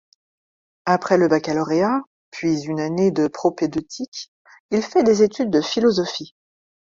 Après le baccalauréat, puis une année de propédeutique, il fait des études de philosophie.